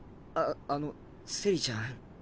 ああのセリちゃん。